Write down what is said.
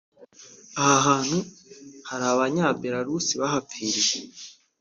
aha hantu hari abanya Belarus bahapfiriye